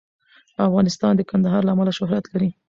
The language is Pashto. افغانستان د کندهار له امله شهرت لري.